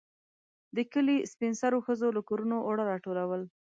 د کلي سپين سرو ښځو له کورونو اوړه راټولول.